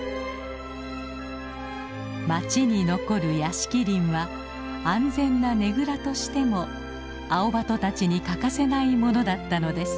町に残る屋敷林は安全なねぐらとしてもアオバトたちに欠かせないものだったのです。